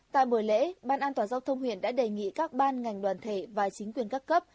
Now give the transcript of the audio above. tại buổi lễ ban an toàn giao thông huyện đã đề nghị các ban ngành đoàn thể và chính quyền các cấp